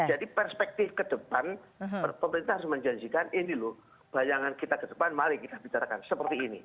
jadi perspektif ke depan pemerintah harus menjanjikan ini loh bayangan kita ke depan mari kita bicarakan seperti ini